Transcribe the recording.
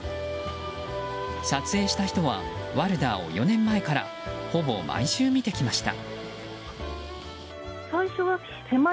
撮影した人はワルダーを４年前からほぼ毎週見てきました。